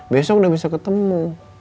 besok udah bisa ketemu